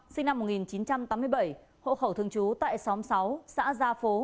sinh năm một nghìn chín trăm tám mươi bảy hộ khẩu thường trú tại xóm sáu xã gia phố